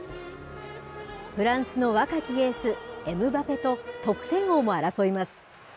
フランスの若きエース、エムバペと得点王も争います。